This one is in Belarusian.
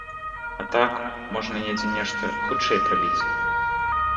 А так, можна недзе нешта хутчэй прабіць.